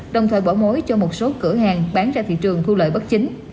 đồng thời bỏ mối cho một số cửa hàng bán ra thị trường thu lợi bất chính